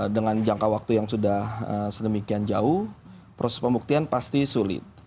dengan jangka waktu yang sudah sedemikian jauh proses pembuktian pasti sulit